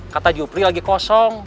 kata jupri lagi kosong